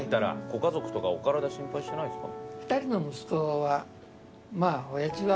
ご家族とかお体心配してないですか？